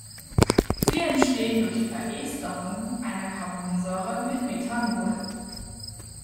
Sie entstehen durch Veresterung einer Carbonsäure mit Methanol.